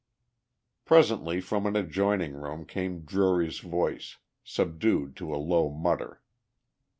Presently from an adjoining room came Drury's voice, subdued to a low mutter.